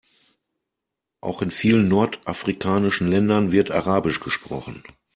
Auch in vielen nordafrikanischen Ländern wird arabisch gesprochen.